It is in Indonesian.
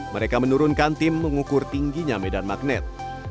mereka menurunkan tim mengukur tingginya medan magnet